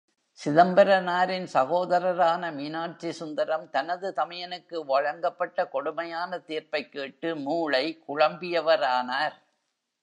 சிதம்பரனாரின் சகோதரரான மீனாட்சி சுந்தரம் தனது தமையனுக்கு வழங்கப்பட்ட கொடுமையான தீர்ப்பைக் கேட்டு மூளை குழம்பியவரானார்.